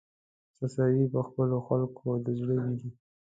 څڅوې په خپلو خلکو د زړه وینې